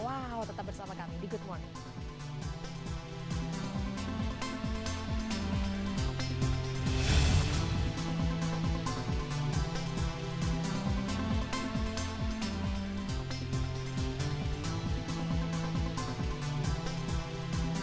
wow tetap bersama kami di good morning